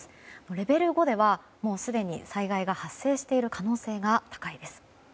レベル５では、もうすでに災害が発生している可能性が高いです。